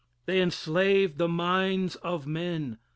They enslave the minds of men.